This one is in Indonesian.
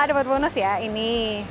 wah dapat bonus ya ini